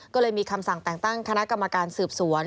ก็เลยมีคำสั่งแต่งตั้งคณะกรรมการสืบสวน